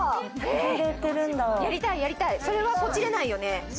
やりたい、それはポチれないよね。